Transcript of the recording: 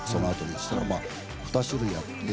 そうしたら２種類あって。